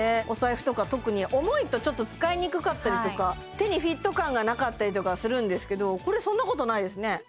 お財布とか特に重いとちょっと使いにくかったりとか手にフィット感がなかったりとかするんですけどこれそんなことないですね